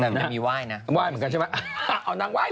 ไม่มีว้ายนะอ๋อนางว้ายหรอ